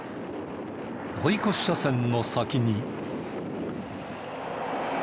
追い越し車線の先に。